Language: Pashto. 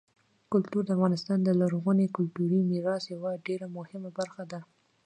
کلتور د افغانستان د لرغوني کلتوري میراث یوه ډېره مهمه برخه ده.